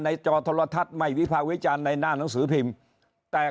ในจอธลทัทไม่วิภาควิจารณ์ในหน้าหนังสือพิม์แต่